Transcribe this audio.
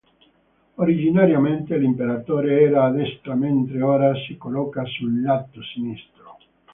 Originariamente l'imperatore era a destra mentre ora si colloca sul lato sinistro.